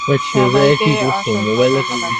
সবাইকে অসংখ্য ধন্যবাদ।